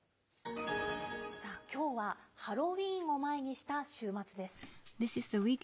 きょうは、ハロウィーンを前にした週末です。